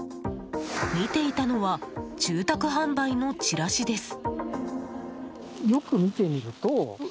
見ていたのは住宅販売のチラシです。